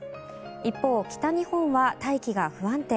一方、北日本は大気が不安定。